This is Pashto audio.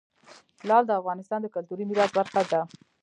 لعل د افغانستان د کلتوري میراث برخه ده.